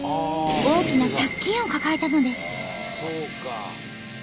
大きな借金を抱えたのです。